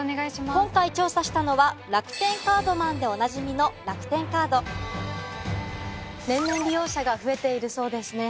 今回調査したのは「楽天カードマン」でおなじみの楽天カード年々利用者が増えているそうですね。